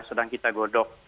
sedang kita godok